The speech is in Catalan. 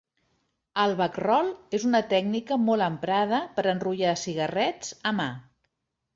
El "backroll" és una tècnica molt emprada per enrotllar cigarrets a mà.